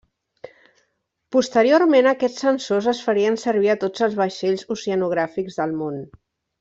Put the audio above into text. Posteriorment aquests sensors es farien servir a tots els vaixells oceanogràfics del món.